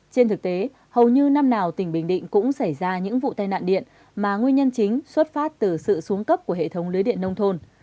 trên thực tế hầu như năm nào tỉnh bình định cũng xảy ra những vụ tai nạn điện mà nguyên nhân chính xuất phát từ sự xuống cấp của hệ thống lưới điện nông thôn